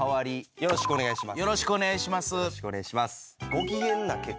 よろしくお願いします。